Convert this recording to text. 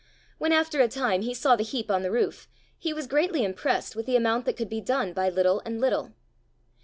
When after a time he saw the heap on the roof, he was greatly impressed with the amount that could be done by little and little.